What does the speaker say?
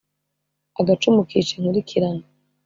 Agacumu kica inkurikirane.